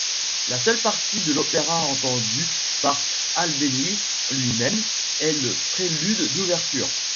La seule partie de l'opéra entendue par Albéniz lui-même est le prélude d'ouverture.